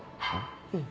うん。